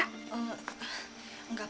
kamu kenapa nak